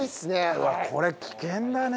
うわっこれ危険だね。